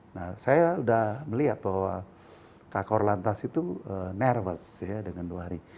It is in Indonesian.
nah saya udah melihat bahwa kak agor lantas itu nervous ya dengan dua hari